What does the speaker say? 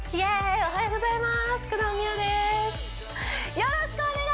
おはようございます